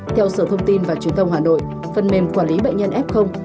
theo sở thông tin và truyền thông hà nội phần mềm quản lý bệnh nhân f